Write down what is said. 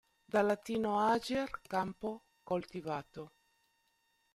Dal latino "ager", campo coltivato.